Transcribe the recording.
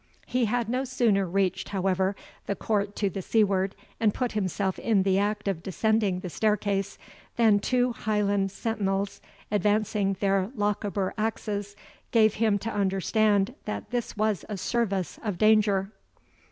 He had no sooner reached, however, the court to the seaward, and put himself in the act of descending the staircase, than two Highland sentinels, advancing their Lochaber axes, gave him to understand that this was a service of danger.